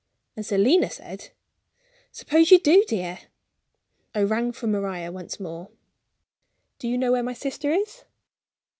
And Selina said: "Suppose you do, dear." I rang for Maria once more: "Do you know where my sister is?"